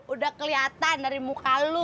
udah kelihatan dari muka lu